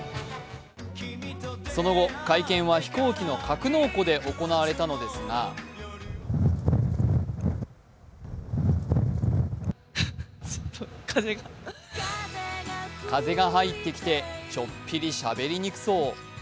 その後、会見は飛行機の格納庫で行われたのですが風が入ってきて、ちょっぴりしゃべりにくそう。